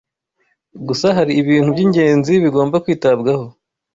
Gusa hari ibintu by’ingenzi bigomba kwitabwaho